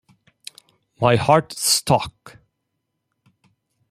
My heart stuck.